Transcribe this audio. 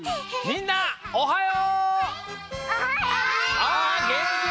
みんなおはよう！